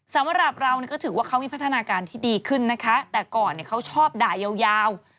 สำหรับเราก็ถือว่าเขามีพัฒนาการที่ดีขึ้นนะคะแต่ก่อนเขาชอบด่ายาว